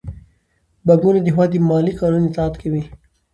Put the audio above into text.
بانکونه د هیواد د مالي قانون اطاعت کوي.